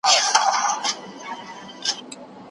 ایا څېړنه د اوږدي مودي کار دی؟